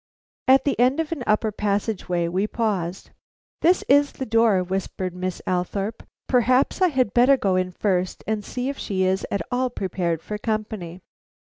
At the end of an upper passage way we paused. "This is the door," whispered Miss Althorpe. "Perhaps I had better go in first and see if she is at all prepared for company."